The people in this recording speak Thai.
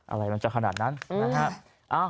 อะไรมันจะขนาดนั้นนะฮะ